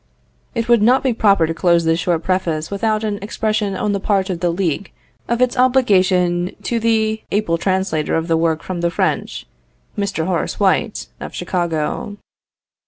It would not be proper to close this short preface without an expression on the part of the League of its obligation to the able translator of the work from the French, Mr. Horace White, of Chicago.